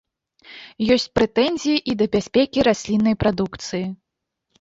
Ёсць прэтэнзіі і да бяспекі расліннай прадукцыі.